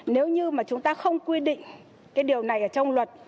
nếu như mà chúng ta không quy định cái điều này ở trong luật